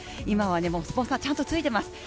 今はスポンサー、ちゃんとついてます。